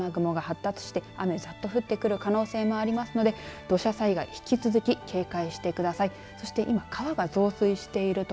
まだ、このあと雨雲が発達して雨ざっと降ってくる可能性もありますので土砂災害、引き続き警戒してください。